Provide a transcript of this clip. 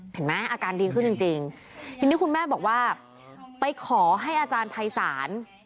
เห็นไหมอาการดีขึ้นจริงทีนี้คุณแม่บอกว่าไปขอให้อาจารย์ภัยศาล